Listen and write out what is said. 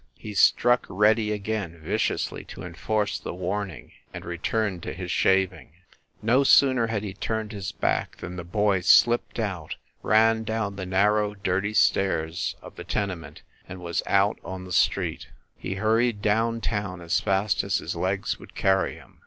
He struck "Reddy" again viciously to enforce the warning, and returned to his shaving. No sooner had he turned his back than the boy slipped out, ran down the narrow, dirty stairs of the tenement and was out on the street. He hurried down town as fast as his legs would carry him.